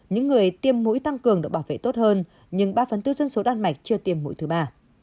những người tiêm mũi tăng cường được bảo vệ tốt hơn nhưng ba phần tư dân số đan mạch chưa tiêm mũi thứ ba